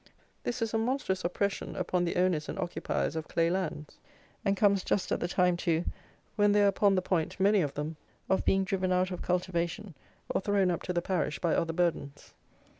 This is a monstrous oppression upon the owners and occupiers of clay lands; and comes just at the time, too, when they are upon the point, many of them, of being driven out of cultivation, or thrown up to the parish, by other burdens.